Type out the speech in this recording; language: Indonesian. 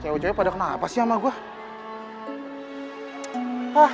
cewek cewek pada kenapa sih sama gue